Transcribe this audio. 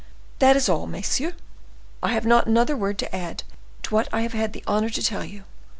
That is all, messieurs; I have not another word to add to what I have had the honor to tell you.